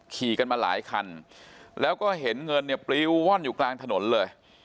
ขี่กันมาหลายคันแล้วก็เห็นเงินเนี่ยปลิวว่อนอยู่กลางถนนเลย